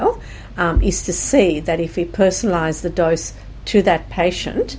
untuk melihat jika kami mempersonalisasi dosis ke pasien itu